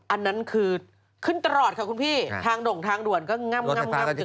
อันนั้นคือขึ้นตลอดค่ะคุณพี่ทางด่งทางด่วนก็ง่ำง่ำ